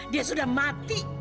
dia sudah mati